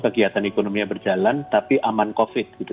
kegiatan ekonomi yang berjalan tapi aman covid gitu